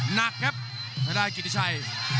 หนักครับไม่ได้กิติชัย